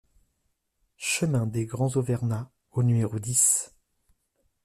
Chemin des Grands Auvernats au numéro dix